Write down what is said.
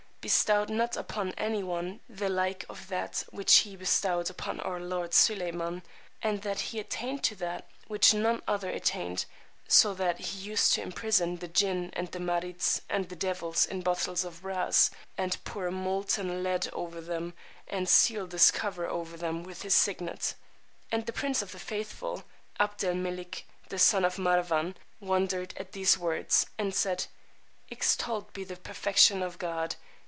bestowed not upon any one the like of that which He bestowed upon our lord Suleymán, and that he attained to that to which none other attained, so that he used to imprison the Jinn and the Márids and the Devils in bottles of brass, and pour molten lead over them, and seal this cover over them with his signet.... And the Prince of the Faithful, Abd El Melik, the son of Marwán, wondered at these words, and said, Extolled be the perfection of God!